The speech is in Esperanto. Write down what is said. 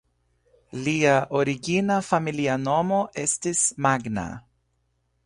Lia origina familia nomo estis "Magna".